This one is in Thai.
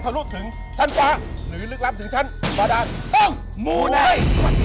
โปรดติดตามตอนต่อไป